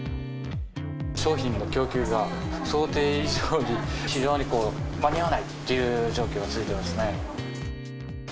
商品の供給が想定以上に、非常に間に合わないっていう状況が続いてますね。